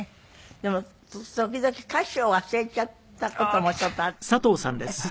でも時々歌詞を忘れちゃった事もちょっとあったんですって？